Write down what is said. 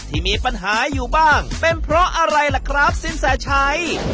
ที่มีปัญหาอยู่บ้างเป็นเพราะอะไรล่ะครับสินแสชัย